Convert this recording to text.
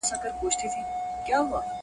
له خټو جوړه لویه خونه ده زمان ژوولې!.